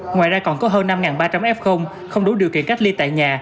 ngoài ra còn có hơn năm ba trăm linh f không đủ điều kiện cách ly tại nhà